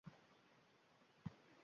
Stereotiplar va ularga yechim